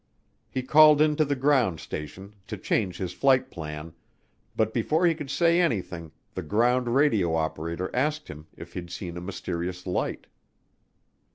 He called in to the ground station to change his flight plan, but before he could say anything the ground radio operator asked him if he'd seen a mysterious light.